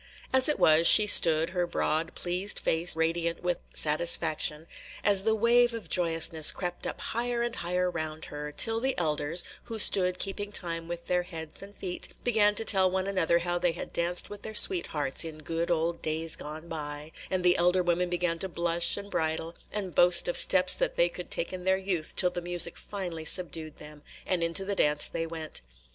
As it was, she stood, her broad, pleased face radiant with satisfaction, as the wave of joyousness crept up higher and higher round her, till the elders, who stood keeping time with their heads and feet, began to tell one another how they had danced with their sweethearts in good old days gone by, and the elder women began to blush and bridle, and boast of steps that they could take in their youth till the music finally subdued them, and into the dance they went.